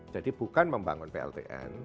jadi bukan membangun pltn